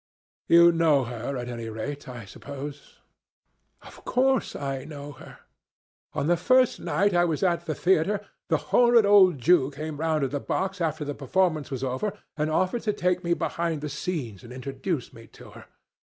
You know her, at any rate, I suppose?" "Of course I know her. On the first night I was at the theatre, the horrid old Jew came round to the box after the performance was over and offered to take me behind the scenes and introduce me to her.